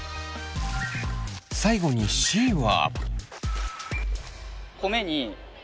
最後にＣは。